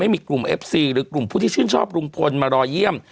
ไม่มีกลุ่มเอฟซีหรือกลุ่มผู้ที่ชื่นชอบลุงพลมารอเยี่ยม